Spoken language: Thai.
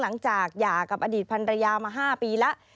หลังจากหย่ากับอดีตพันธุ์ระยามา๕ปีแล้ว